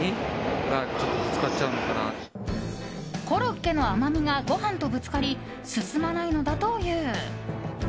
コロッケの甘みがご飯とぶつかり進まないのだという。